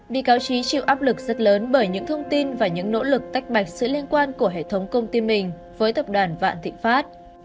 bị cáo trí chịu áp lực rất lớn bởi những thông tin và những nỗ lực tách bạch sự liên quan của hệ thống công ty mình với tập đoàn vạn thịnh pháp